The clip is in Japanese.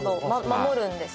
守るんですね。